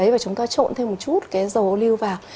và chúng ta trộn thêm một chút dầu ô lưu vào